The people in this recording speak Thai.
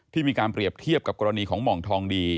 มีการเปรียบเทียบกับกรณีของหม่องทองดี